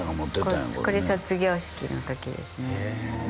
これ卒業式の時ですね